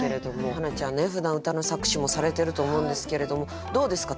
花ちゃんねふだん歌の作詞もされてると思うんですけれどもどうですか？